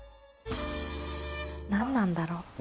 何なんだろう？